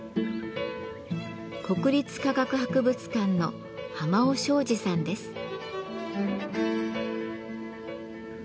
国立科学博物館の濱尾章二さんです。